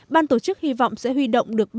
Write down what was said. ban tổ chức hy vọng sẽ huy động được